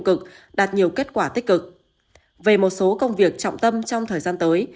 cực đạt nhiều kết quả tích cực về một số công việc trọng tâm trong thời gian tới